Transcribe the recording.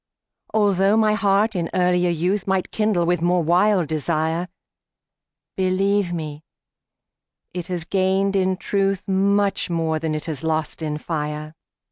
Altho' my heart in earlier youth Might kindle with more wild desire, Believe me, it has gained in truth Much more than it has lost in fire.